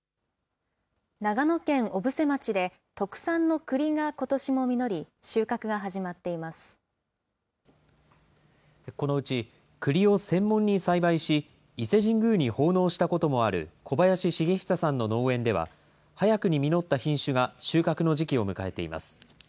長野県小布施町で、特産のくりがことしも実り、このうち、くりを専門に栽培し、伊勢神宮に奉納したこともある小林茂久さんの農園では、早くに実った品種が収穫の時期を迎えています。